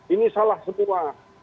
ini salah semua